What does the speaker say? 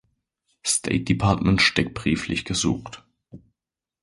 State Department steckbrieflich gesucht.